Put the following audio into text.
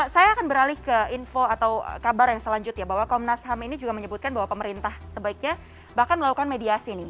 saya akan beralih ke info atau kabar yang selanjutnya bahwa komnas ham ini juga menyebutkan bahwa pemerintah sebaiknya bahkan melakukan mediasi nih